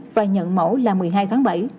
và nhận mẫu là một mươi hai tháng bảy